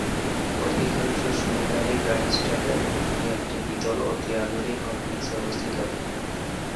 অধিকাংশ সুবিধাদি গ্র্যান্ডস্ট্যান্ডের মুখোমুখি একটি দ্বিতল অতি আধুনিক কমপ্লেক্সে অবস্থিত।